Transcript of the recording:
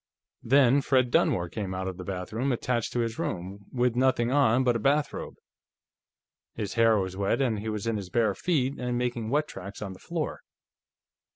Then Fred Dunmore came out of the bathroom attached to his room, with nothing on but a bathrobe. His hair was wet, and he was in his bare feet and making wet tracks on the floor."